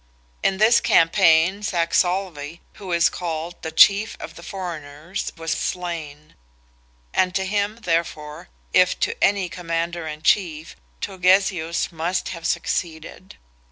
In this campaign Saxolve, who is called "the chief of the foreigners," was slain; and to him, therefore, if to any commander in chief, Turgesius must have succeeded.